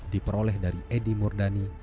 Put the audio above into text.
diperoleh dari edy murdani